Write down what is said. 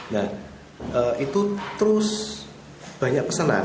nah itu terus banyak pesanan